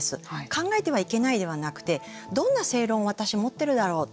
考えてはいけないではなくてどんな正論を私、持ってるだろう。